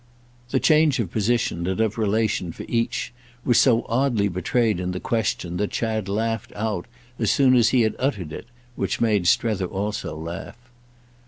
The change of position and of relation, for each, was so oddly betrayed in the question that Chad laughed out as soon as he had uttered it—which made Strether also laugh.